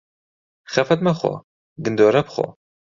خەفەت مەخۆ، گندۆره بخۆ.